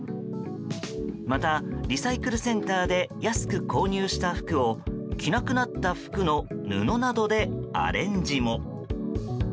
また、リサイクルセンターで安く購入した服を着なくなった服の布などでアレンジも。